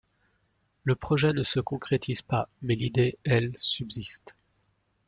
Le projet ne se concrétise pas, mais l'idée, elle, subsiste.